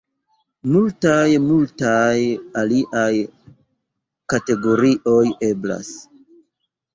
Multaj, multaj aliaj kategorioj eblas.